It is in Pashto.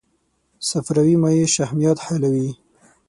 صفراوي مایع شحمیات حلوي.